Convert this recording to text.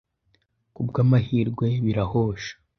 ku bw’amahirwe birahosha